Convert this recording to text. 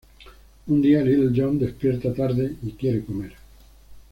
Un día, Little John despierta tarde y quiere comer.